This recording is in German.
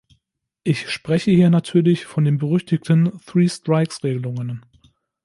Ich spreche hier natürlich von den berüchtigten "Three-Strikes"Regelungen.